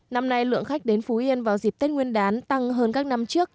năm nay lượng khách đến phú yên vào dịp tết nguyên đán tăng hơn các năm trước